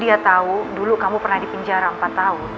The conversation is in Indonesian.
dia tahu dulu kamu pernah dipinjamkan sama siapa itu dia tahu dulu kamu